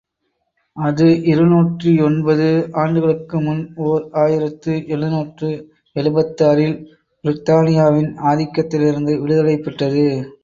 அது, இரு நூற்றியொன்பது ஆண்டுகளுக்கு முன், ஓர் ஆயிரத்து எழுநூற்று எழுபத்தாறு இல், பிரித்தானியாவின் ஆதிக்கத்திலிருந்து விடுதலை பெற்றது.